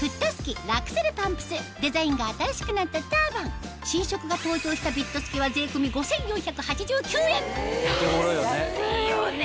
デザインが新しくなったターバン新色が登場したビット付きは安いよね！